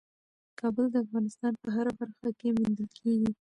کابل د افغانستان په هره برخه کې موندل کېږي.